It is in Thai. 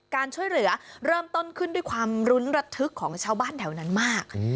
การช่วยเหลือเริ่มต้นขึ้นด้วยความรุ้นระทึกของชาวบ้านแถวนั้นมาก